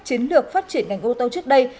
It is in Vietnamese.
chiến lược phát triển ngành ô tô trước đây